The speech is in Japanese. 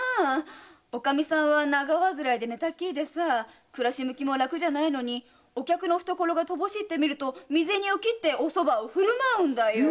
おかみさんは長患いで寝たきり暮らし向きも楽じゃないのにお客の懐が乏しいと身銭を切ってお蕎麦をふるまうんだよ。